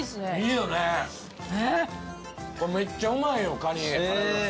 めっちゃうまいよカニ。